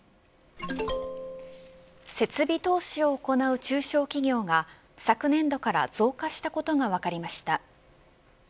設備投資を行う中小企業が昨年度から増加したことが分かりました。